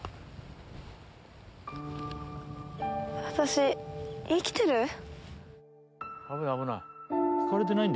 私生きてる？